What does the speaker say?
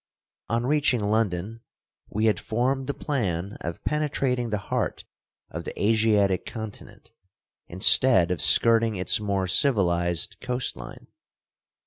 On reaching London we had formed the plan of penetrating the heart of the Asiatic continent, instead of skirting its more civilized coast line.